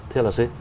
thưa luật sư